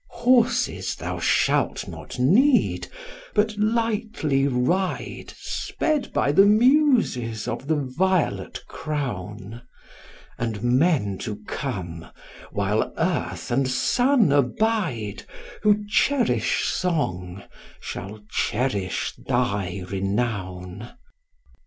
Horses thou shalt not need, but lightly ride Sped by the Muses of the violet crown, And men to come, while earth and sun abide, Who cherish song shall cherish thy renown.